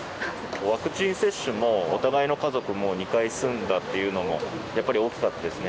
ワクチン接種もお互いの家族も２回済んだっていうのもやっぱり大きかったですね。